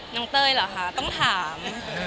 น้องเตยหรอค่ะต้องถาม